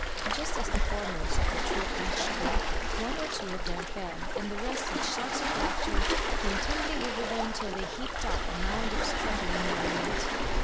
Just as the foremost of the troop reached him, one or two of them fell, and the rest with shouts of laughter came tumbling over them till they heaped up a mound of struggling merriment.